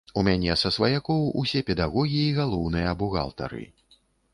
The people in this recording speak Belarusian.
У мяне са сваякоў усе педагогі і галоўныя бухгалтары.